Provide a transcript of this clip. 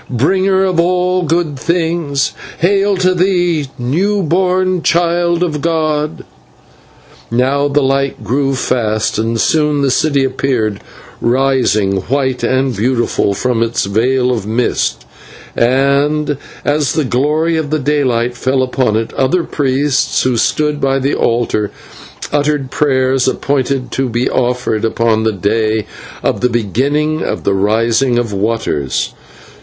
bringer of all good things. Hail to thee, new born child of god!" Now the light grew fast, and soon the city appeared, rising white and beautiful from its veil of mist; and, as the glory of the daylight fell upon it, other priests who stood by the altar uttered prayers appointed to be offered upon this day of the beginning of the Rising of Waters.